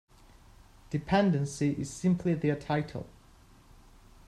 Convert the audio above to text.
Dependency is simply their title.